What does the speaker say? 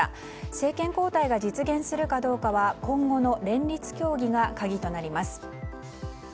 政権交代が実現するかどうかは今後の連立協議が鍵となります。